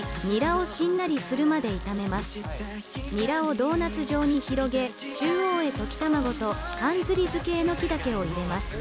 ニラをドーナツ状に広げ、中央へ溶き卵とかんずり漬えのき茸を入れます。